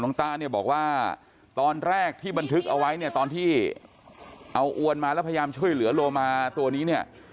น้องตาบอกว่าตอนแรกที่บันทึกเอาไว้ตอนที่เอาอวนมาแล้วพยายามช่วยเหลือโลมาตัวนี้